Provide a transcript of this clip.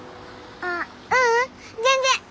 あっううん全然。